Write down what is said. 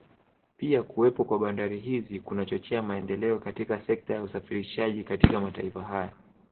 Pia kuwepo kwa bandari hizi kunachochea maendeleo katika sekta ya usafirishaji katika mataifa haya